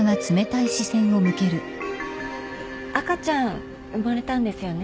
赤ちゃん生まれたんですよね。